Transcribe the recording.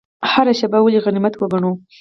هره شیبه ولې غنیمت وګڼو؟